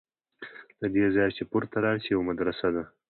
له دې ځایه چې پورته لاړ شې یوه مدرسه ده.